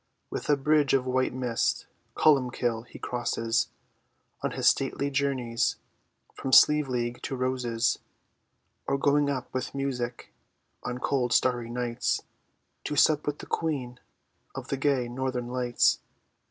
With a bridge of white mist Columbkill he crosses, On his stately journeys From Slieveleague to Rosses; Or going up with music On cold starry nights, To sup with the Queen Of the gay Northern Lights.